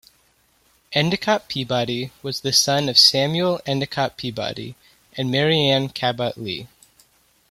Endicott Peabody was the son of Samuel Endicott Peabody and Marianne Cabot Lee.